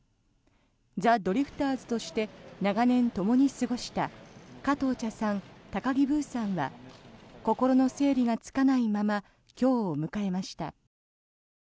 ザ・ドリフターズとして長年、ともに過ごした加藤茶さん、高木ブーさんは心の整理がつかないまま今日を迎えました。